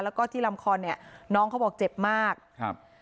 แล้วก็ที่ลำคอเนี่ยน้องเขาบอกเจ็บมากครับ